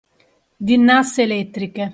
Di nasse elettriche